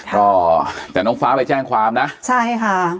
ก็แต่น้องฟ้าไปแจ้งความนะใช่ค่ะ